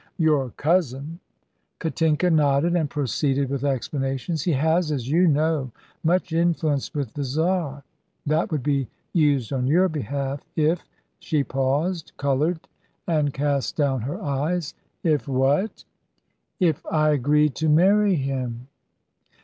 "Your cousin." Katinka nodded and proceeded with explanations. "He has, as you know, much influence with the Czar." That would be used on your behalf, if " She paused, coloured, and cast down her eyes. "If what?" "If I agreed to marry him."